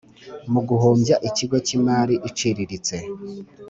mu guhombya ikigo cy imari iciriritse